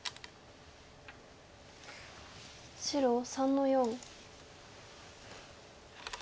白３の四。